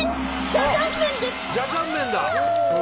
ジャジャン麺だ！